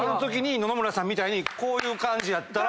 野々村さんみたいにこういう感じやったら。